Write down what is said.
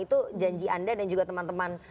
itu janji anda dan juga teman teman